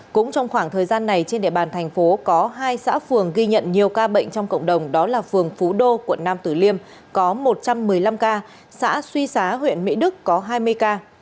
cũng trong khoảng thời gian này trên địa bàn thành phố có hai xã phường ghi nhận nhiều ca bệnh trong cộng đồng đó là phường phú đô quận nam tử liêm có một trăm một mươi năm ca xã suy xá huyện mỹ đức có hai mươi ca